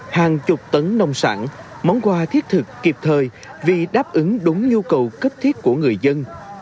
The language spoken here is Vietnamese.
hàng chục tấn nông sản món quà thiết thực kịp thời vì đáp ứng đúng nhu cầu cấp thiết của người dân